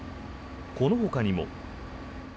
このほかにも。